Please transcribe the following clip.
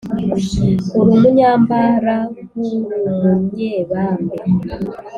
Ur'umunyambarag'ur'umunyebambe: